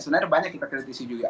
sebenarnya banyak kita kritisi juga